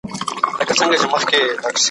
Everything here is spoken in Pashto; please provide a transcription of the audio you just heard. زه مخکي انځور ليدلی و.